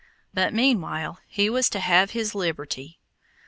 But meanwhile he was to have his liberty.